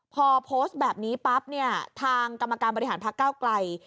พอโพสต์แบบนี้ปั๊บเนี่ยทางกรรมการบริหารพักเก้าไกล